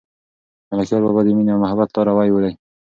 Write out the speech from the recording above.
ملکیار بابا د مینې او محبت لاروی دی.